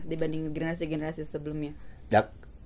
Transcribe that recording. dibanding generasi generasi sebelumnya